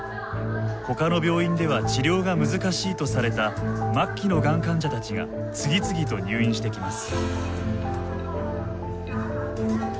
ほかの病院では治療が難しいとされた末期のがん患者たちが次々と入院してきます。